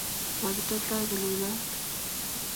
Makitetoi go Iuloot